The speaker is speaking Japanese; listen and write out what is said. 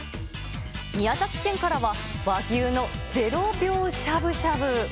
宮崎県からは、和牛の０秒しゃぶしゃぶ。